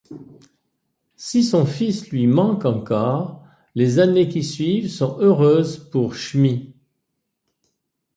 Si son fils lui manque encore, les années qui suivent sont heureuses pour Shmi.